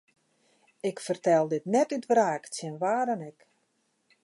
Ik fertel dit net út wraak tsjin wa dan ek.